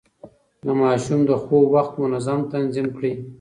د ماشوم د خوب وخت منظم تنظيم کړئ.